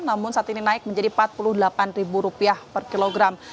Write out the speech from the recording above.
namun saat ini naik menjadi rp empat puluh delapan per kilogram